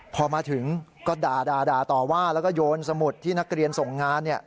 พอมาถึงก็ด่าต่อว่าแล้วก็โยนสมุดที่นักเรียนส่งงาน